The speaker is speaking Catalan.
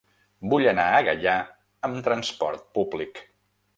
Vull anar a Gaià amb trasport públic.